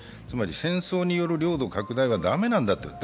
つまり、戦争による領土拡大は駄目なんだと。